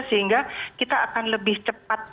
sehingga kita akan lebih cepat